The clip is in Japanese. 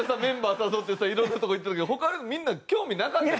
誘ってさ色んなとこ行ってるけど他のみんな興味なかったよ